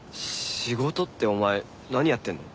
仕事ってお前何やってんの？